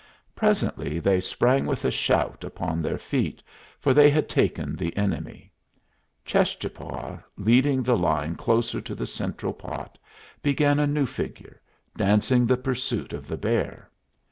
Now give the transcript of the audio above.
Presently they sprang with a shout upon their feet, for they had taken the enemy. Cheschapah, leading the line closer to the central pot, began a new figure, dancing the pursuit of the bear.